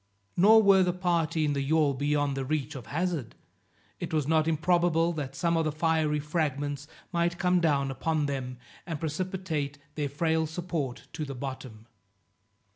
Nor were the party in the yawl beyond the reach of hazard; it was not improbable that some of the fiery fragments might come down upon them, and precipitate their frail support to the bottom.